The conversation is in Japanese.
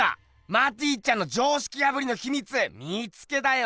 マティちゃんの常識破りのひみつ見つけたよ！